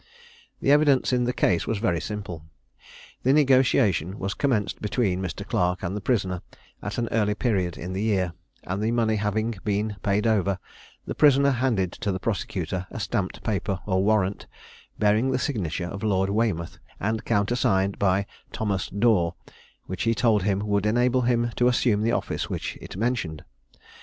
The evidence in the case was very simple. The negotiation was commenced between Mr. Clarke and the prisoner at an early period in the year; and the money having been paid over, the prisoner handed to the prosecutor a stamped paper or warrant, bearing the signature of Lord Weymouth, and countersigned by "Thomas Daw," which he told him would enable him to assume the office which it mentioned.